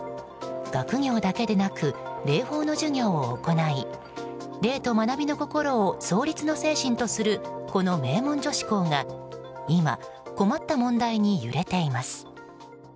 学業だけでなく礼法の授業を行い礼と学びの心を創立の精神とするこの名門女子校が今困った問題に揺れています。